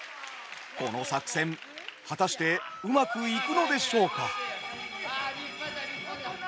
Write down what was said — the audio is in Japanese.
この作戦果たしてうまくいくのでしょうか。